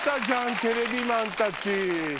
テレビマンたち。